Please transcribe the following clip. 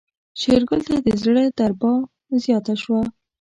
شېرګل ته د زړه دربا زياته شوه.